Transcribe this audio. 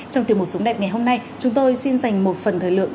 trong tiêu mục súng đẹp ngày hôm nay chúng tôi xin dành một phần thời lượng